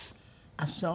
ああそう。